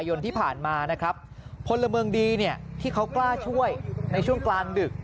ยนที่ผ่านมานะครับพลเมืองดีเนี่ยที่เขากล้าช่วยในช่วงกลางดึก